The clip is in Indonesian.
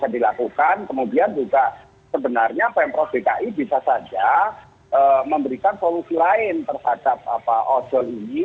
dan juga memberikan solusi lain terhadap ojol ini